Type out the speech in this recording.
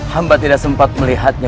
hamba tidak sempat melihatnya